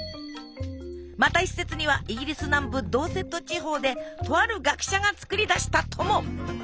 また一説にはイギリス南部ドーセット地方でとある学者が作り出したとも！